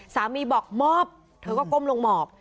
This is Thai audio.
สามีบอกมอบเธอก็ก้มลงหมอบ